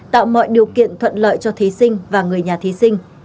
tạo mọi điều kiện thuận lợi cho thí sinh và người nhà thí sinh